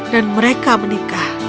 dan mereka menikah